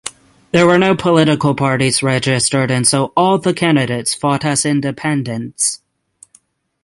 There were no political parties registered and so all the candidates fought as Independents.